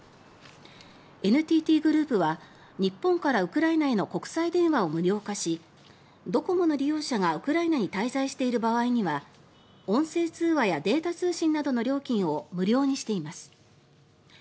ＮＴＴグループは日本からウクライナへの国際電話を無料化しドコモの利用者がウクライナに滞在している場合には音声通話やデータ通信の料金を無料にしています。